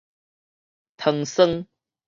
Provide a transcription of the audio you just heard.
糖霜